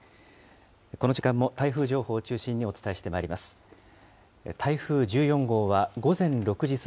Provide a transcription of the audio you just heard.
この時間も台風情報を中心にお伝えしてまいります。